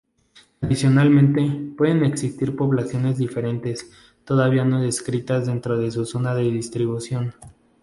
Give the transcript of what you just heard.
Adicionalmente, pueden existir poblaciones diferentes todavía no descritas dentro de su zona de distribución.